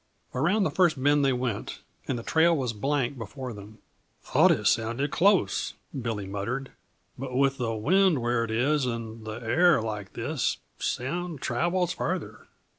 Around the first bend they went, and the trail was blank before them. "Thought it sounded close," Billy muttered, "but with the wind where it is and the air like this, sound travels farther.